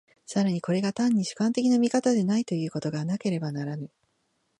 更にこれが単に主観的な見方でないということがなければならぬ。